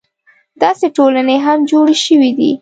داسې ټولنې هم جوړې شوې دي.